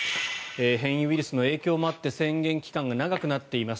変異ウイルスの影響もあって宣言期間が長くなっています